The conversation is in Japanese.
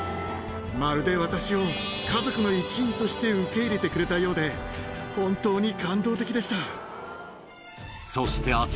まるで私を家族の一員として受け入れてくれたようで本当に。